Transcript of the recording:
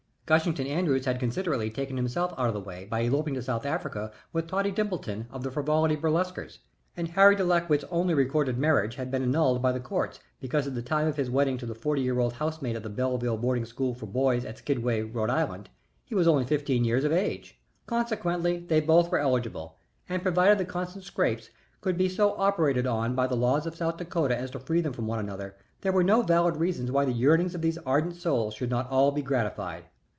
Gushington Andrews had considerately taken himself out of the way by eloping to South Africa with Tottie Dimpleton of the Frivolity Burlesquers, and Harry de Lakwitz's only recorded marriage had been annulled by the courts because at the time of his wedding to the forty year old housemaid of the Belleville Boarding School for Boys at Skidgeway, Rhode Island, he was only fifteen years of age. Consequently, they both were eligible, and provided the Constant Scrappes could be so operated on by the laws of South Dakota as to free them from one another, there were no valid reasons why the yearnings of these ardent souls should not all be gratified.